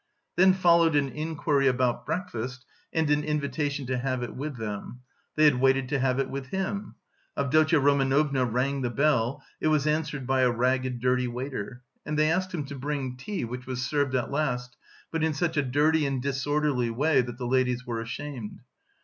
Then followed an inquiry about breakfast and an invitation to have it with them; they had waited to have it with him. Avdotya Romanovna rang the bell: it was answered by a ragged dirty waiter, and they asked him to bring tea which was served at last, but in such a dirty and disorderly way that the ladies were ashamed.